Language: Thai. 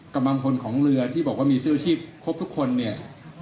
กำลังพลของเรือที่บอกว่ามีเสื้อชีพครบทุกคนเนี่ย